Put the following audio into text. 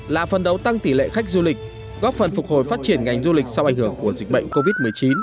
là phần đấu tăng tỷ lệ khách du lịch góp phần phục hồi phát triển ngành du lịch sau ảnh hưởng của dịch bệnh covid một mươi chín